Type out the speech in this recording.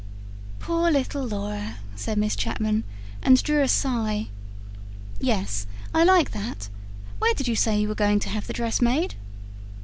"Poor little Laura," said Miss Chapman, and drew a sigh. "Yes, I like that. Where did you say you were going to have the dress made?"